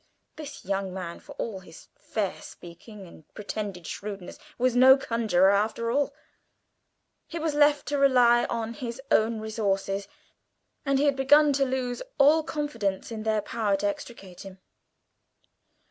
This young man, for all his fair speaking and pretended shrewdness, was no conjurer after all. He was left to rely on his own resources, and he had begun to lose all confidence in their power to extricate him.